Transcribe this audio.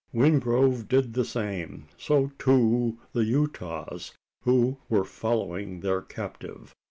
Wingrove did the same so, too, the Utahs, who were following their captive.